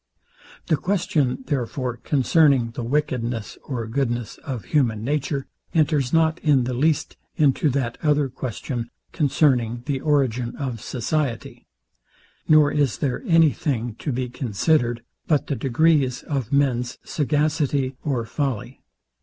The question, therefore, concerning the wickedness or goodness of human nature, enters not in the least into that other question concerning the origin of society; nor is there any thing to be considered but the degrees of men's sagacity or folly.